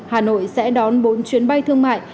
hà nội sẽ đón bốn chuyến bay thương mại